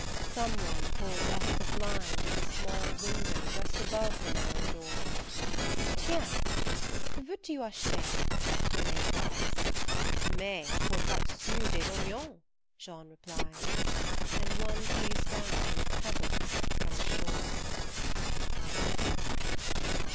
Someone pulls up the blind Of the small window just above the narrow door " Tiens ! que veux tu acheler? " Renee cries, " Mais, pour quat'sous, des oignons," Jean replies And one pays down with pebbles from the shore.